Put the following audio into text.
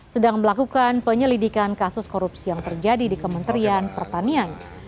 sedang melakukan penyelidikan kasus korupsi yang terjadi di kementerian pertanian